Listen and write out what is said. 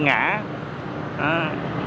không phải là ngã